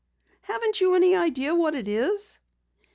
"Haven't you any idea what it is?"